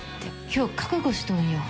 今日、覚悟したんよ。